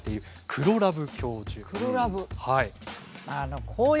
黒ラブ。